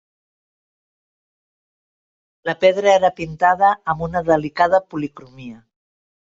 La pedra era pintada amb una delicada policromia.